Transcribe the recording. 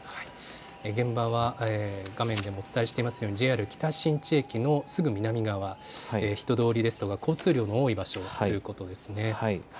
現場は画面でもお伝えしているようにＪＲ北新地駅のすぐ南側人通りですとか交通量の多い場所ということですね。